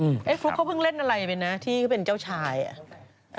ไอ้ฟลุ๊กเขาเพิ่งเล่นอะไรไปนะที่เขาเป็นเจ้าชายอ่ะ